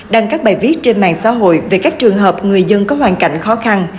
đăng các bài viết trên mạng xã hội về các trường hợp người dân có hoàn cảnh khó khăn